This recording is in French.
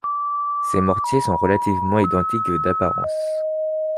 Ces mortiers sont relativement identiques d'apparence.